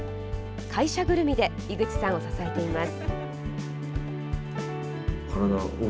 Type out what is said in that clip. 会社ぐるみで井口さんを支えています。